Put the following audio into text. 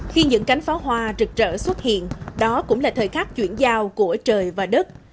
khi những cánh pháo hoa rực rỡ xuất hiện đó cũng là thời khắc chuyển giao của trời và đất